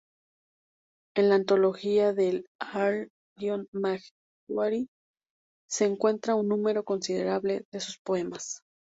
En la antología de Al-Maqqari se encuentra un número considerable de sus poemas.